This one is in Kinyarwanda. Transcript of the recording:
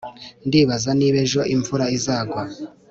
ndibaza niba ejo imvura izagwa